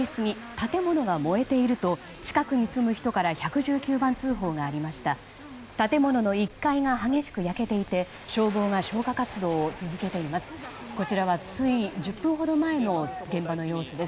建物の１階が激しく焼けていて消防が消火活動を続けています。